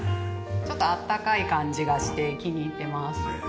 ちょっと温かい感じがして気に入ってます。